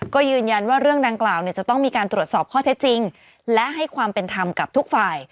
ก็ยืนยันว่าเรื่องดังกล่าวจะต้องมีการตรวจสอบข้อเท็จจริงและให้ความเป็นธรรมกับทุกฝ่าย